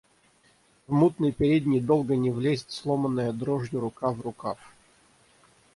В мутной передней долго не влезет сломанная дрожью рука в рукав.